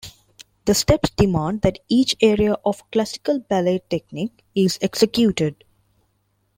The steps demand that each area of classical ballet technique is executed.